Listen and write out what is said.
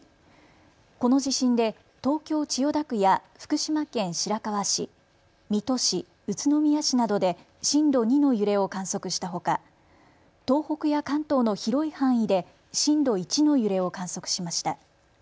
この地震で東京千代田区や福島県白河市、水戸市、宇都宮市などで震度２の揺れを観測したほか東北や関東の広い範囲で震度１の揺れを観測しました。